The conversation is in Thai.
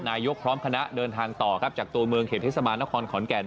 นายกพร้อมคณะเดินทางต่อครับจากตัวเมืองเขตเทศบาลนครขอนแก่น